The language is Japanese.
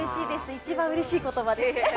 一番うれしい言葉です。